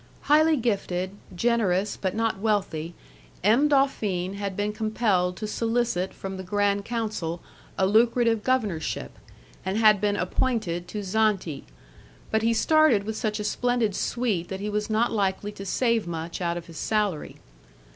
Highly gifted, generous, but not wealthy, M. Dolfin had been compelled to solicit from the Grand Council a lucrative governorship, and had been appointed to Zante; but he started with such a splendid suite that he was not likely to save much out of his salary.